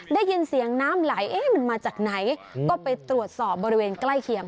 ได้ยินเสียงน้ำไหลเอ๊ะมันมาจากไหนก็ไปตรวจสอบบริเวณใกล้เคียง